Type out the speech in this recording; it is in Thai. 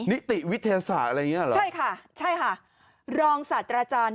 นิติวิทยาศาสตร์อะไรอย่างนี้หรอใช่ค่ะรองสัตว์อาจารย์